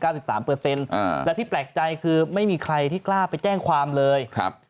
และที่แปลกใจคือไม่มีใครที่กล้าไปแจ้งความเลยครับ